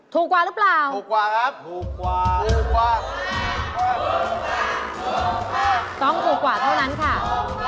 ถูกกว่าหรือเปล่าถูกกว่าครับถูกกว่าถูกกว่าถูกกว่าถูกกว่า